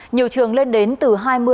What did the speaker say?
nhiều trường lên đến từ hai mươi ba mươi